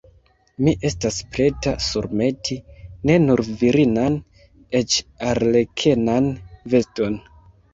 Mi estas preta surmeti ne nur virinan, eĉ arlekenan veston!